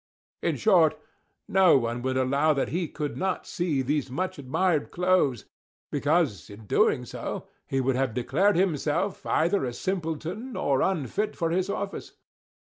in short, no one would allow that he could not see these much admired clothes; because, in doing so, he would have declared himself either a simpleton or unfit for his office.